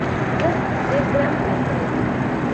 زښت ډېر ګران کار دی،